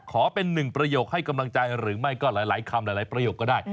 ขอเป็นหนึ่งประโยคให้กำลังใจหรือไม่ก็หลายคำหลายประโยคก็ได้